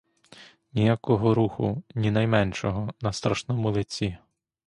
Ніякого руху, ні найменшого на страшному лиці.